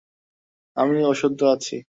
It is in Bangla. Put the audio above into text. আমি অশুদ্ধ আছি।